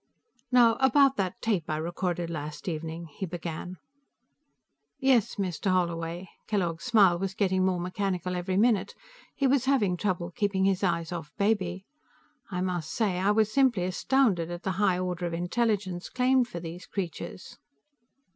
"Now, about that tape I recorded last evening," he began. "Yes, Mr. Holloway." Kellogg's smile was getting more mechanical every minute. He was having trouble keeping his eyes off Baby. "I must say, I was simply astounded at the high order of intelligence claimed for these creatures."